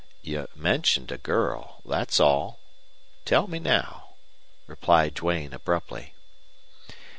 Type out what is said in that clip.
"You mentioned a girl. That's all. Tell me now," replied Duane, abruptly.